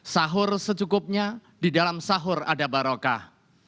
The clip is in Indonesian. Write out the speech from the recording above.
sahur secukupnya di dalam sahur ada barokah